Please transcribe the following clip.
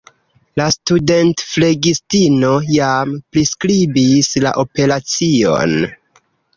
La studentflegistino jam priskribis la operacion.